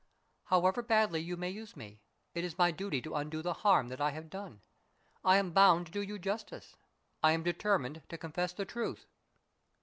"However badly you may use me, it is my duty to undo the harm that I have done. I am bound to do you justice I am determined to confess the truth."